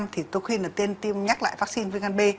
thì tôi khuyên là tiêm nhắc lại vaccine viêm gan b